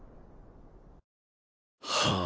はあ？